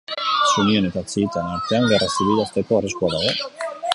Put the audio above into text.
Sunien eta xiiten artean gerra zibila hasteko arriskua dago?